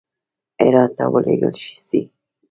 هرات ته ولېږل سي.